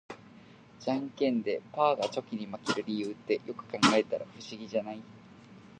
ジャンケンでパーがチョキに負ける理由って、よく考えたら不思議じゃない？